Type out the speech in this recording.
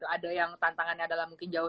ada yang tantangannya adalah mungkin jauh